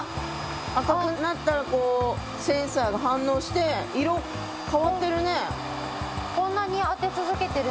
赤くなったらセンサーが反応して色変わってるね。